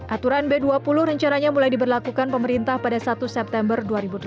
aturan b dua puluh rencananya mulai diberlakukan pemerintah pada satu september dua ribu delapan belas